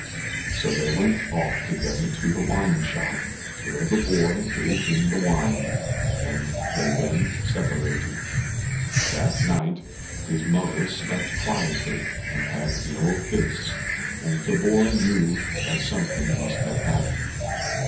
So they went off together to the wine shop, where the boy gave him the wine and they then separated. That night his mother slept quietly and had no fits, and the boy knew that something must have happened.